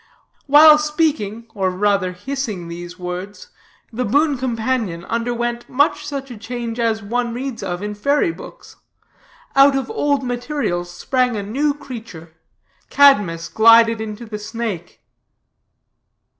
While speaking or rather hissing those words, the boon companion underwent much such a change as one reads of in fairy books. Out of old materials sprang a new creature. Cadmus glided into the snake.